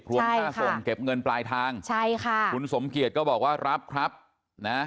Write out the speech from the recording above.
รวมค่าส่งเก็บเงินปลายทางใช่ค่ะคุณสมเกียจก็บอกว่ารับครับนะ